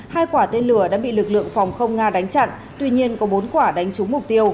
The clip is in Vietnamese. hai quả tên lửa đã bị lực lượng phòng không nga đánh chặn tuy nhiên có bốn quả đánh trúng mục tiêu